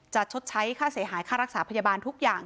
ชดใช้ค่าเสียหายค่ารักษาพยาบาลทุกอย่าง